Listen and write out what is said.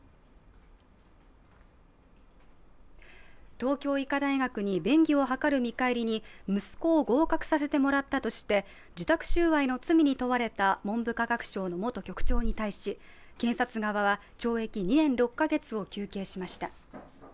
東京医科大学に便宜を図る見返りに息子を合格させてもらったとして受託収賄の罪に問われた文部科学省の元局長に対し検察側は懲役２年６カ月を求刑しました。